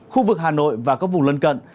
khu vực hà nội và các vùng lân cận